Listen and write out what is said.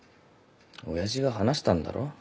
親父が話したんだろ。